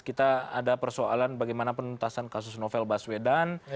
kita ada persoalan bagaimana penuntasan kasus novel baswedan